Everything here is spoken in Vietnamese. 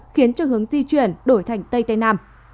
khiến cho hướng di chuyển đổi thành tây tây nam